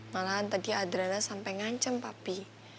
malahan tadi adrena sampai ngancam papi